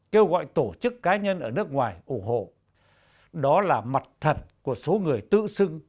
kêu gọi tổ chức cá nhân ở nước ngoài ủng hộ đó là mặt thần của số người tự xưng